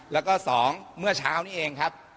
แล้วก็๒เมื่อเช้านี้เองครับ